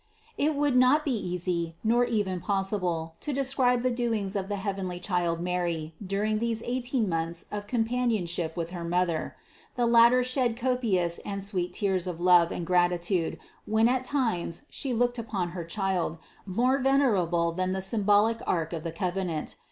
399. It would not be easy, nor even possible, to de scribe the doings of the heavenly child Mary during these eighteen months of companionship with her mother. The latter shed copious and sweet tears of love and grati tude when at times she looked upon her Child, more venerable than the symbolic ark of the covenant.